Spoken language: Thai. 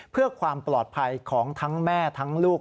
เพื่อความปลอดภัยของทั้งแม่ทั้งลูก